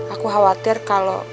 aku khawatir kalau